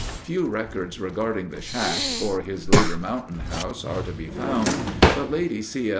Few records regarding the "shack" or his later Mountain House are to be found, but Lady C.